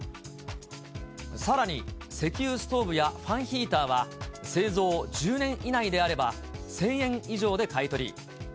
さらに、石油ストーブやファンヒーターは、製造１０年以内であれば、１０００円以上で買い取り。